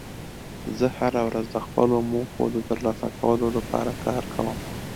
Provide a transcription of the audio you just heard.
زه هره ورځ د خپلو موخو د ترلاسه کولو لپاره کار کوم